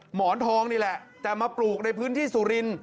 หมอนทองนี่แหละแต่มาปลูกในพื้นที่สุรินทร์